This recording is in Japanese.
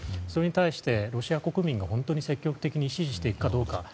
それに対してロシア国民が本当に積極的に支持していくかどうか。